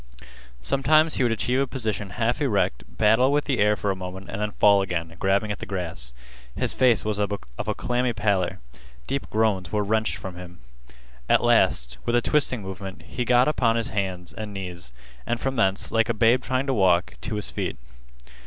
Sometimes he would achieve a position half erect, battle with the air for a moment, and then fall again, grabbing at the grass. His face was of a clammy pallor. Deep groans were wrenched from him. At last, with a twisting movement, he got upon his hands and knees, and from thence, like a babe trying to walk, to his feet.